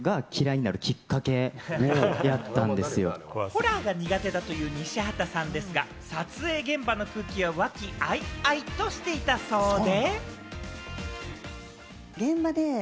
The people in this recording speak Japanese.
ホラーが苦手だという西畑さんですが、撮影現場の空気は、和気あいあいとしていたそうで。